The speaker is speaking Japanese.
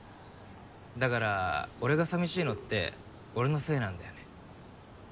だから俺が寂しいのって俺のせいなんだよね。